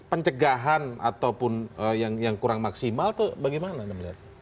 pencegahan ataupun yang kurang maksimal tuh bagaimana anda melihatnya